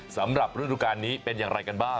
สำหรับฤดูการนี้เป็นอย่างไรกันบ้าง